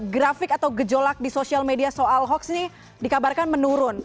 grafik atau gejolak di sosial media soal hoax ini dikabarkan menurun